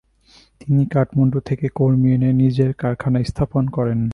তিনি কাঠমান্ডু থেকে কর্মী এনে নিজের কারখানা স্থাপন করেন।